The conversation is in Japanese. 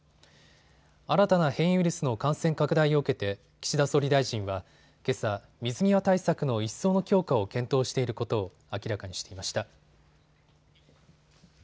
新たな変異ウイルスの感染拡大を受けて岸田総理大臣はけさ水際対策の一層の強化を検討していることを明らかにしていました。